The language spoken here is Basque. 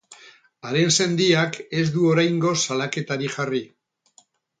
Haren sendiak ez du oraingoz salaketarik jarri.